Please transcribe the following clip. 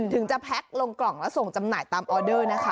ถึงจะแพ็คลงกล่องแล้วส่งจำหน่ายตามออเดอร์นะคะ